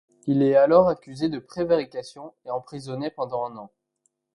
Il est alors accusé de prévarication et emprisonné pendant un an.